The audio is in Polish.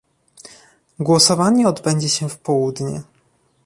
Głosowanie odbędzie się w południe